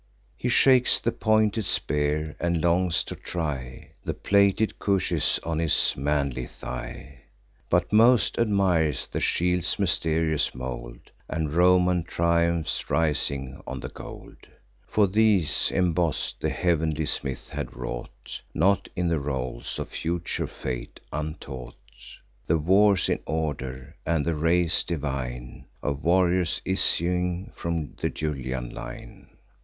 He shakes the pointed spear, and longs to try The plated cuishes on his manly thigh; But most admires the shield's mysterious mould, And Roman triumphs rising on the gold: For these, emboss'd, the heav'nly smith had wrought (Not in the rolls of future fate untaught) The wars in order, and the race divine Of warriors issuing from the Julian line.